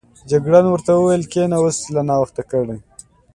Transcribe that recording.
جګړن ورته وویل کېنه، اوس دې لا ناوخته کړ.